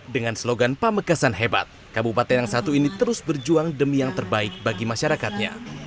dengan slogan pamekasan hebat kabupaten yang satu ini terus berjuang demi yang terbaik bagi masyarakatnya